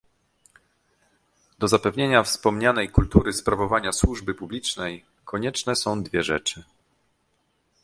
Do zapewnienia wspomnianej kultury sprawowania służby publicznej konieczne są dwie rzeczy